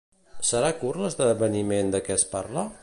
Serà curt l'esdeveniment de què es parla?